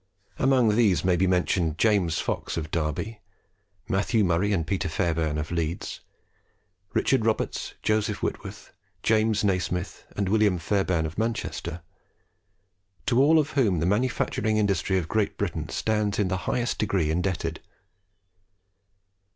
Among these may be mentioned James Fox of Derby; Matthew Murray and Peter Fairbairn of Leeds; Richard Roberts, Joseph Whitworth, James Nasmyth, and William Fairbairn of Manchester; to all of whom the manufacturing industry of Great Britain stands in the highest degree indebted.